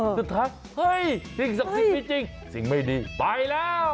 สุดท้ายสิ่งสุดสิ่งไม่จริงสิ่งไม่ดีไปแล้ว